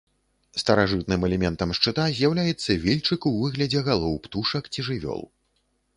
Старажытным элементам шчыта з'яўляецца вільчык у выглядзе галоў птушак ці жывёл.